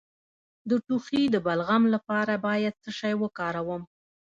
د ټوخي د بلغم لپاره باید څه شی وکاروم؟